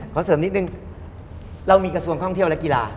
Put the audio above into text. ขอเสริมนิดนึงเรามีกระทรวงท่องเที่ยวและกีฬา